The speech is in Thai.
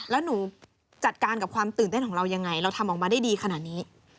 แล้วหนูจัดการกับความตื่นเต้นของเรายังไงเราทำออกมาได้ดีขนาดนี้